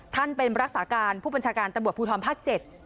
เป็นรักษาการผู้บัญชาการตำรวจภูทรภาค๗